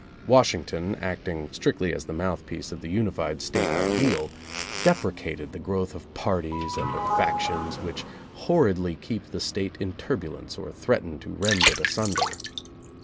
Washington, acting strictly as the mouthpiece of the unified State ideal, deprecated the growth of parties and of fac tions which horridly keep the State in turbulence or threaten to rend it asunder.